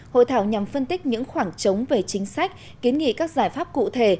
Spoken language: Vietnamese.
hội thảo nhằm phân tích những khoảng trống về chính sách kiến nghị các giải pháp cụ thể